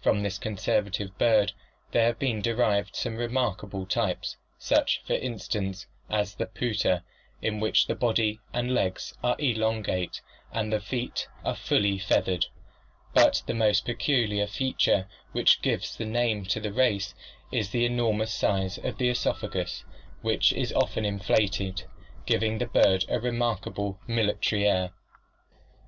From this conservative bird there have been derived some remarkable types, such, for instance, as the pouter, in which the body and legs are elongate and the feet are fully feathered; but the most peculiar feature, which gives the name to the race, is the enormous size of the oesophagus, which is often inflated, giving the bird a remarkable military air.